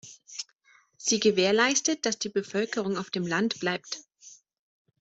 Sie gewährleistet, dass die Bevölkerung auf dem Land bleibt.